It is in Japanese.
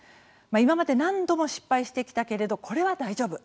今まで何度も失敗してきたけれどこれは大丈夫。